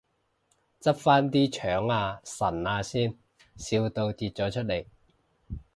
執返啲腸啊腎啊先，笑到跌咗出嚟